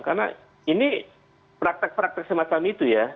karena ini praktek praktek semacam itu ya